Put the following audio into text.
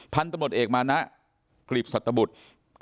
พันธุ์ตำรวจเอกมานะกลีบสัตบุตร